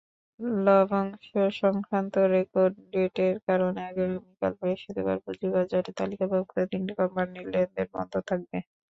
লভ্যাংশ-সংক্রান্ত record ডেটের কারণে আগামীকাল বৃহস্পতািবার পুঁজিবাজারে তালিকাভুক্ত তিনটি কোম্পানির লেনদেন বন্ধ থাকবে।